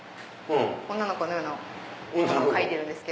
女の子のようなものを描いてるんです。